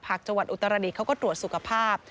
จังหวัดอุตรดิษฐเขาก็ตรวจสุขภาพ